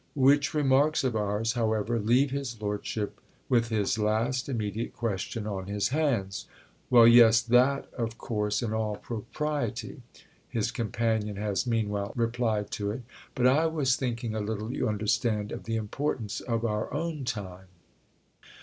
Which remarks of ours, however, leave his lordship with his last immediate question on his hands. "Well, yes—that, of course, in all propriety," his companion has meanwhile replied to it. "But I was thinking a little, you understand, of the importance of our own time."